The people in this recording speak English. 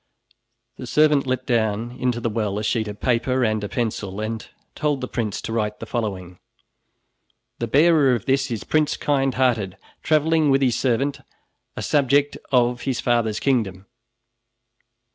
The servant let down into the well a sheet of paper and a pencil, and told the prince to write the following: "The bearer of this is Prince Kindhearted, traveling with his servant, a subject of his father's kingdom."